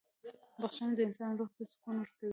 • بخښنه د انسان روح ته سکون ورکوي.